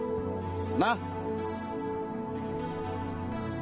なっ？